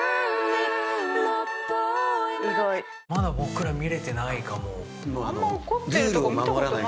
まだ僕ら見れてないかも。